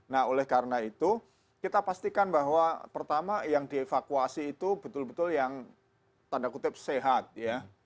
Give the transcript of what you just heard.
nah oleh karena itu kita pastikan bahwa pertama yang dievakuasi itu betul betul yang tanda kutip sehat ya